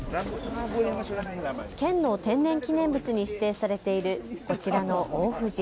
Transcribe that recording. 県の天然記念物に指定されているこちらの大藤。